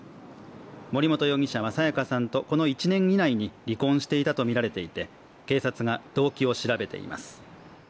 森本容疑者は彩加さんとこの１年以内に離婚していたとみられていて警察が動機を調べています。